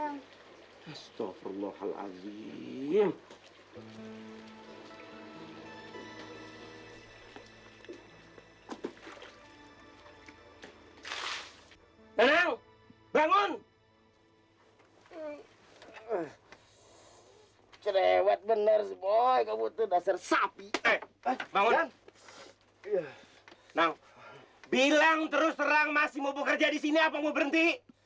nang bilang terus serang masih mau bekerja di sini apa mau berhenti